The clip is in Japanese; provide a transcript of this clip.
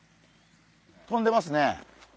とんでますね！